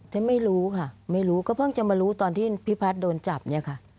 แต่ไม่รู้ค่ะไม่รู้ก็เพิ่งจะมารู้ตอนที่พี่พัฒน์โดนจับเนี่ยค่ะ